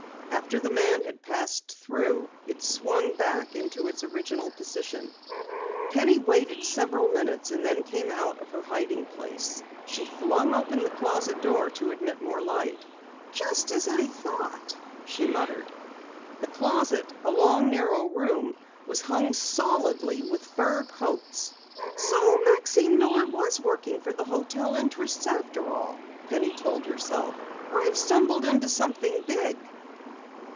After the man had passed through, it swung back into its original position. Penny waited several minutes and then came out of her hiding place. She flung open the closet door to admit more light. "Just as I thought!" she muttered. The closet, a long narrow room, was hung solidly with fur coats! "So Maxine Miller was working for the hotel interests after all," Penny told herself. "I've stumbled into something big!"